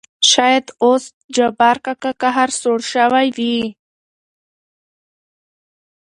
شاېد اوس جبار کاکا قهر سوړ شوى وي.